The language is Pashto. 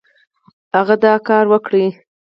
هغه دا کار وکړ.